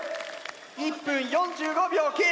１分４５秒経過！